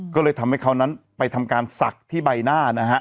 ก็เลยทำให้เขานั้นไปทำการศักดิ์ที่ใบหน้านะฮะ